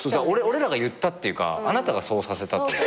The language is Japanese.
俺らが言ったっていうかあなたがそうさせた。